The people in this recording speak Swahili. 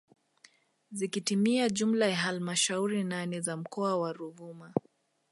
Zikitimia jumla ya halmashauri nane za mkoa wa Ruvuma